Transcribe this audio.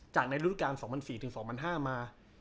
จากในฤทธิการ๒๐๐๔๒๐๐๕มา